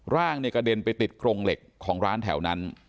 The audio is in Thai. ร่างเนี่ยกระเด็นไปติดโครงเหล็กของร้านแถวนั้น